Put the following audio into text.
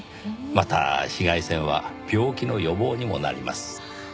また紫外線は病気の予防にもなります。